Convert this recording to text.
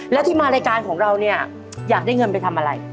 แล้วที่มารายการของเราเนี่ยอยากได้เงินไปทำอะไร